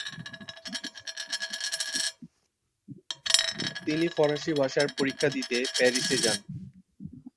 তিনি ফরাসি ভাষার পরীক্ষা দিতে প্যারিস যান।